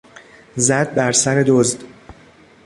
زد بر سر دزد.